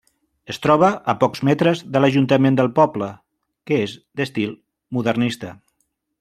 Es troba a pocs metres de l'Ajuntament del poble, que és d'estil modernista.